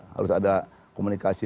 harus ada komunikasi